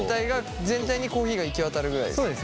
全体にコーヒーが行き渡るぐらいですね。